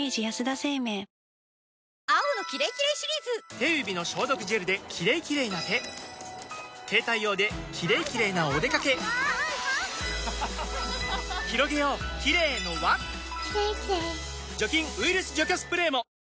手指の消毒ジェルで「キレイキレイ」な手携帯用で「キレイキレイ」なおでかけひろげようキレイの輪除菌・ウイルス除去スプレーも！